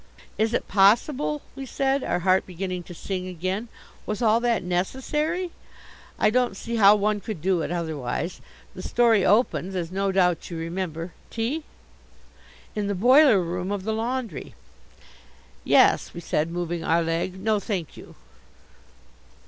"Is it possible?" we said, our heart beginning to sing again. "Was all that necessary?" "I don't see how one could do it otherwise. The story opens, as no doubt you remember tea? in the boiler room of the laundry." "Yes," we said, moving our leg "no, thank you."